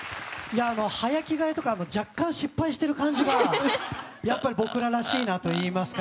早着替えとか若干、失敗している感じがやっぱり僕ららしいなといいますか。